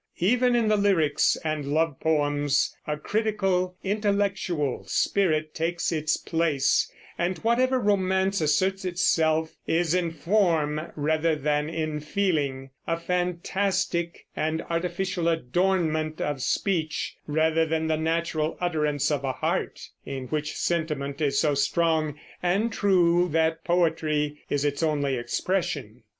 Even in the lyrics and love poems a critical, intellectual spirit takes its place, and whatever romance asserts itself is in form rather than in feeling, a fantastic and artificial adornment of speech rather than the natural utterance of a heart in which sentiment is so strong and true that poetry is its only expression.